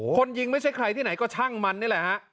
คนยิงไม่ใช่ใครที่ไหนก็ช่างมันนี่แหละฮะ